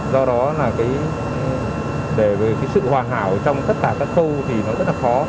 do đó để về sự hoàn hảo trong tất cả các khâu thì rất là khó